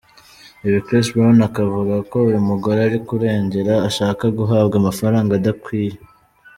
Ibi Chris Brown akavuga ko uyu mugore ari kurengera ashaka guhabwa amafaranga adakwiye.